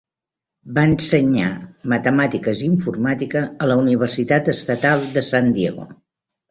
Va ensenyar Matemàtiques i Informàtica a la Universitat Estatal de San Diego.